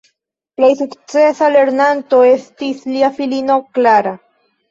Plej sukcesa lernanto estis lia filino Clara.